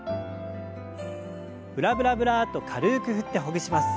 ブラブラブラッと軽く振ってほぐします。